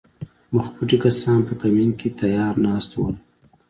مخپټي کسان په کمین کې تیار ناست ول